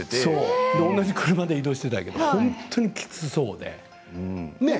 同じ車で移動していて本当にきつそうで。